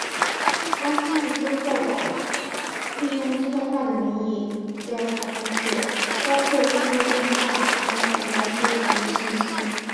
拉斯穆森报导利用自动化的民意调查方式包括预录电话查询来收集信息。